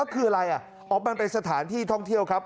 อ๋อคืออะไรออกมาเป็นสถานที่ท่องเที่ยวครับ